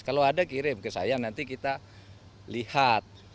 kalau ada kirim ke saya nanti kita lihat